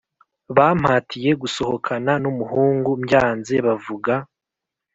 Bampatiye gusohokana n umuhungu mbyanze bavuga